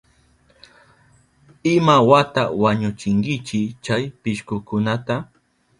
¿Imawata wañuchinkichi chay pishkukunata?